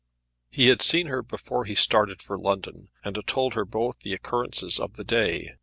He had seen her before he started for London, and had told her both the occurrences of the day.